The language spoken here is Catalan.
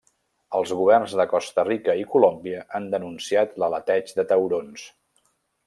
Els governs de Costa Rica i Colòmbia han denunciat l'aleteig de taurons.